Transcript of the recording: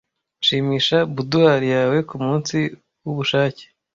shimisha boudoir yawe kumunsi wubushake